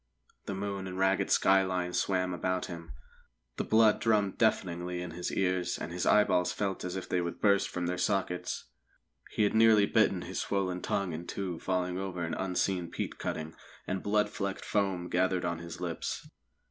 The moon and ragged skyline swam about him; the blood drummed deafeningly in his ears, and his eyeballs felt as if they would burst from their sockets. He had nearly bitten his swollen tongue in two falling over an unseen peat cutting, and blood flecked foam gathered on his lips.